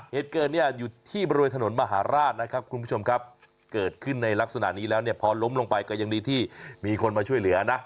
เหตุเกิดเนี่ยอยู่ที่บริเวณถนนมหาราชนะครับคุณผู้ชมครับเกิดขึ้นในลักษณะนี้แล้วเนี่ยพอล้มลงไปก็ยังดีที่มีคนมาช่วยเหลือนะ